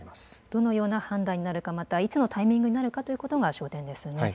どのような判断になるか、また、いつのタイミングになるかということが焦点ですね。